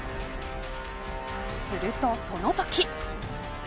すると、そのとき。